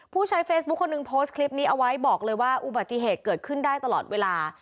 ผู้ใช้เฟซบุ๊คคนหนึ่งโพสต์คลิปนี้เอาไว้บอกเลยว่าอุบัติเหตุเกิดขึ้นได้ตลอดเวลา